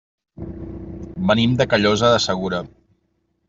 Venim de Callosa de Segura.